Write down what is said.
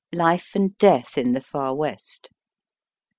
LIFE AND DEATH IK THE FAR WEST.